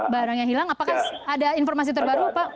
barang yang hilang apakah ada informasi terbaru pak